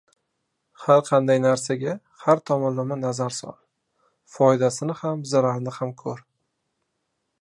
Har qanday narsaga har tomonlama nazar sol – foydasini ham, zararini ham koʻr.